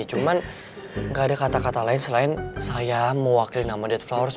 cuma nggak ada kata kata lain selain saya mewakili nama dead flowers